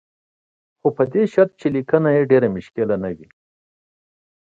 خو په دې شرط چې لیکنه یې ډېره پېچلې نه وي.